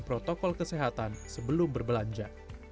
protokol kesehatan sebelum berbelanja